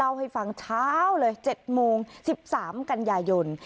เล่าให้ฟังเช้าเลยเจ็บโมงสิบสามกันยายนต์